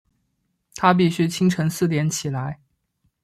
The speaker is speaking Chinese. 她必须清晨四点起来